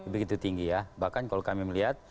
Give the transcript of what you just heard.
begitu tinggi ya bahkan kalau kami melihat